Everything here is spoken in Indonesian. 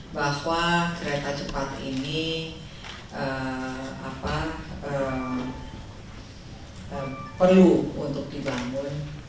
bahwa kereta cepat ini perlu untuk dibangun